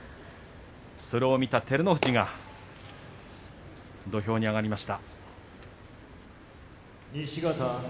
それを見た照ノ富士が土俵に上がりました。